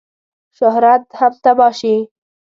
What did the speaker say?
شهرت هم تباه شي.